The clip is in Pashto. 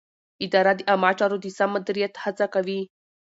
اداره د عامه چارو د سم مدیریت هڅه کوي.